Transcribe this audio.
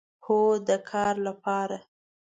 هو، د کار لپاره